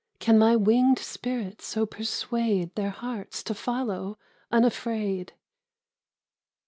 Can my wing'd spirit so persuade Their hearts to follow unafraid?